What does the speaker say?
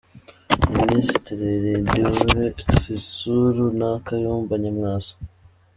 Minisitiri Lindiwe Sisulu na Kayumba Nyamwasa